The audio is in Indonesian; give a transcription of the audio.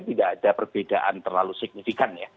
tidak ada perbedaan terlalu signifikan ya